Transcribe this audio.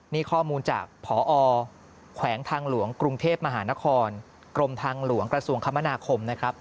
นี่ข้อมูลจากพอแขวงทางหลวงกรุงเทพมหานครกรมทางหลวงกระทรวงคมนาคมนะครับ